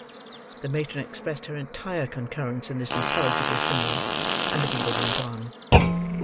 The matron expressed her entire concurrence in this intelligible simile; and the beadle went on.